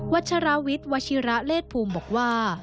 ัชราวิทย์วชิระเลศภูมิบอกว่า